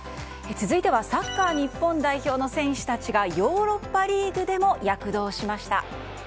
続いてはサッカー日本代表の選手たちがヨーロッパリーグでも躍動しました。